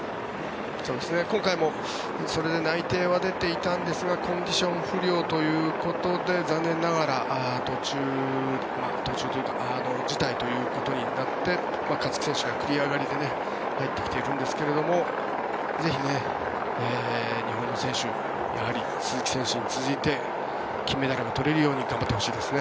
今回もそれで内定は出ていたんですがコンディション不良ということで残念ながら辞退ということになって勝木選手が繰り上がりで入ってきているんですがぜひ日本の選手やはり、鈴木選手に続いて金メダルが取れるように頑張ってほしいですね。